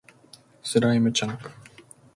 スライムチャンク